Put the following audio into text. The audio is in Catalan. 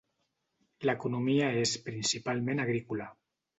L'economia és principalment agrícola.